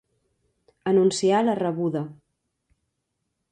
Anunciar la rebuda.